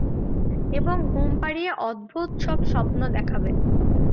এবং ঘুম পাড়িয়ে অদ্ভুত সব স্বপ্ন দেখাবে।